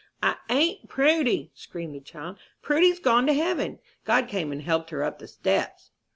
"I ain't Prudy!" screamed the child; "Prudy's gone to heaven. God came and helped her up the steps."